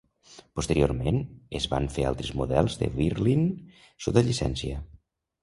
Posteriorment, es van fer altres models de Whirlwind sota llicència.